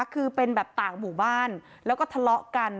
คือเป็นแบบต่างหมู่บ้านแล้วก็ทะเลาะกัน